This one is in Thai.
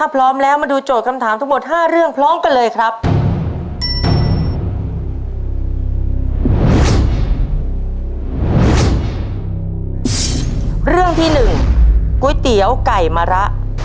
กล้วยเตี๋ยวไก่มะระ